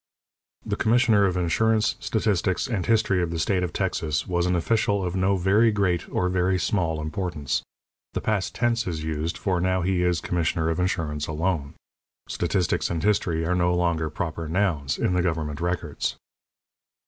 The Commissioner of Insurance, Statistics, and History of the State of Texas was an official of no very great or very small importance. The past tense is used, for now he is Commissioner of Insurance alone. Statistics and history are no longer proper nouns in the government records.